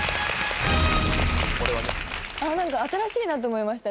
なんか新しいなと思いました。